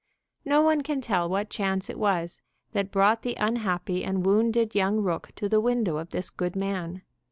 No one can tell what chance it was that brought the unhappy and wounded young rook to the window of this good man.